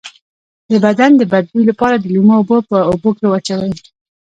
د بدن د بد بوی لپاره د لیمو اوبه په اوبو کې واچوئ